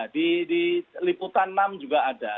di liputan enam juga ada